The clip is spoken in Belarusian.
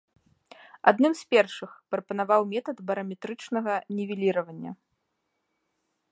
Адным з першых прапанаваў метад бараметрычнага нівеліравання.